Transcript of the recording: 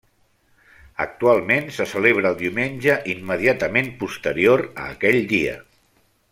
Actualment se celebra el diumenge immediatament posterior a aquell dia.